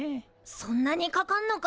そんなにかかんのか。